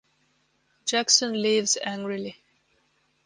Jackson leaves angrily.